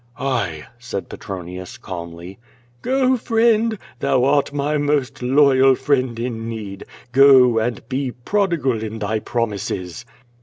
"I," said Petronius calmly. "Go, friend! thou art my most loyal friend in need. Go, and be prodigal in thy promises."